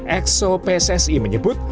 exo pssi menyebut